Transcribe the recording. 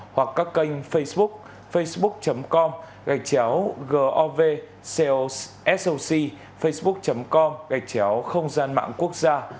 hoặc các kênh facebook facebook com gạch chéo govsoc facebook com gạch chéo không gian mạng quốc gia